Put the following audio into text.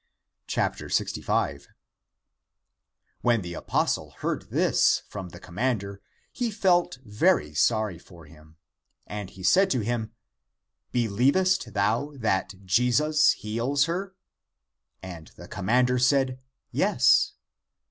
65. When the apostle heard this from the com mander, he felt very sorry for him. And he said to him, ''Believest thou that Jesus heals her?" And the commander said, " Yes."